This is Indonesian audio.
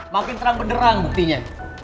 makin terang berderang buktinya